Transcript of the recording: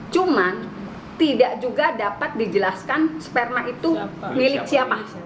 cuma tidak juga dapat dijelaskan sperma itu milik siapa